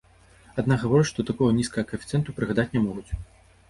Аднак гавораць, што такога нізкага каэфіцыенту прыгадаць не могуць.